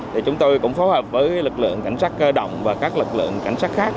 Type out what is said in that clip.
thì chúng tôi cũng phối hợp với lực lượng cảnh sát cơ động và các lực lượng cảnh sát khác